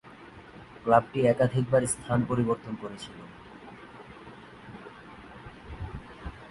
ক্লাবটি একাধিকবার স্থান পরিবর্তন করেছিল।